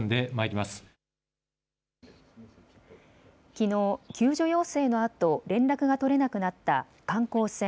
きのう救助要請のあと連絡が取れなくなった観光船